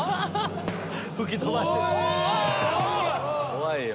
怖いよ。